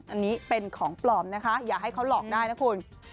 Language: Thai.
อันนี้เป็นของปลอมนะคะอย่าให้เขาหลอกได้นะคุณ